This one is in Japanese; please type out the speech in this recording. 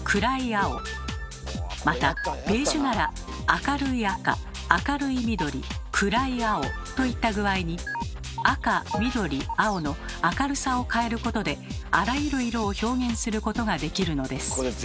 またベージュなら明るい赤明るい緑暗い青といった具合に赤緑青の明るさを変えることであらゆる色を表現することができるのです。